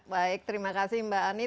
baik terima kasih mbak ani